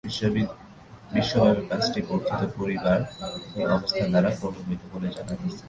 বিশ্বব্যাপী পাঁচটি বর্ধিত পরিবার এই অবস্থার দ্বারা প্রভাবিত বলে জানা গেছে।